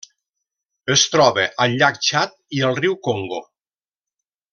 Es troba al llac Txad i al riu Congo.